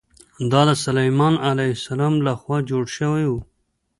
دا د سلیمان علیه السلام له خوا جوړ شوی و.